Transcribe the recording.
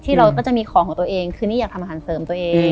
เราก็จะมีของของตัวเองคือนี่อยากทำอาหารเสริมตัวเอง